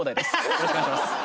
よろしくお願いします。